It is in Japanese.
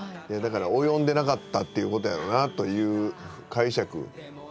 だから及んでなかったっていうことやろうなという解釈。